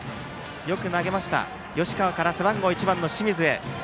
よく投げました、吉川から背番号１番の清水へ。